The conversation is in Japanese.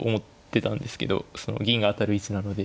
銀が当たる位置なので。